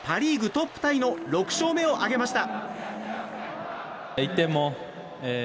トップタイの６勝目を挙げました。